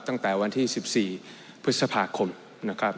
ตั้งแต่วันที่๑๔พฤษภาคมนะครับ